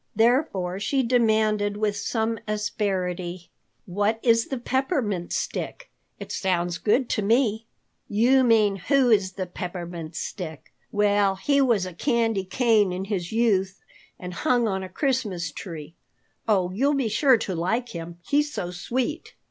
Therefore she demanded with some asperity: "What is the Peppermint Stick? It sounds good to me." "You mean who is the Peppermint Stick. Well, he was a candy cane in his youth and hung on a Christmas tree. Oh, you'll be sure to like him, he's so sweet."